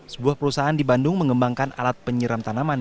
sebuah perusahaan di bandung mengembangkan alat penyeram tanaman